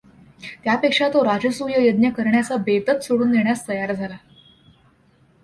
त्यापेक्षा तो राजसूय यज्ञ करण्याचा बेतच सोडून देण्यास तयार झाला.